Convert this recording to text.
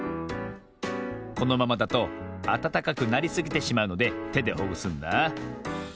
このままだとあたたかくなりすぎてしまうのでてでほぐすんだ。